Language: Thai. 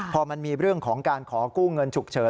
พอมันมีเรื่องของการขอกู้เงินฉุกเฉิน